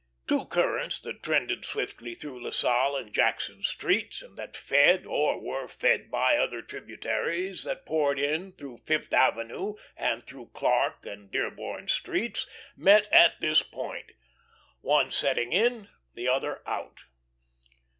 Two currents that trended swiftly through La Salle and Jackson streets, and that fed, or were fed by, other tributaries that poured in through Fifth Avenue and through Clarke and Dearborn streets, met at this point one setting in, the other out.